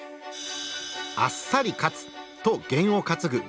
「あっさり勝つ」とゲンを担ぐ。